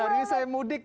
hari ini saya mudik